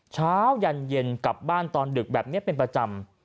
เช้ายานหยินกลับบ้านตอนดึกเป็นประจำ